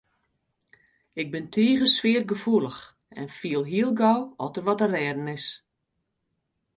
Ik bin tige sfeargefoelich en fiel hiel gau oft der wat te rêden is.